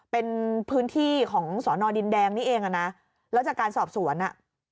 เป็นพื้นที่ของสอนอดินแดงนี่เองอ่ะนะแล้วจากการสอบสวนอ่ะ